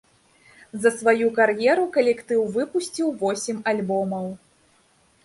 За сваю кар'еру калектыў выпусціў восем альбомаў.